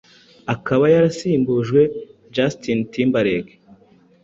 akaba yarasimbujwe Justin Timberlake .